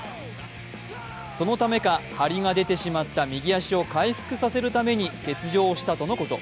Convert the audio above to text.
そのためか、張りが出てしまった右足を回復させるために、欠場したとのこと。